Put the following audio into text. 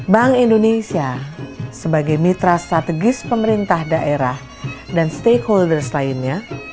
bank indonesia sebagai mitra strategis pemerintah daerah dan stakeholders lainnya